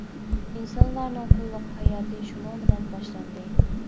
ئىنسانلارنىڭ قۇللۇق ھاياتى شۇنىڭ بىلەن باشلاندى.